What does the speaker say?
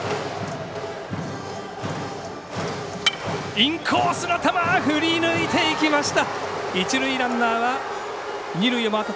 インコースの球振り抜いていきました！